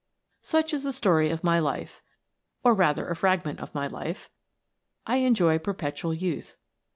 " Such is the story of my life, or rather of a frag ment of my life. I enjoy perpetual youth.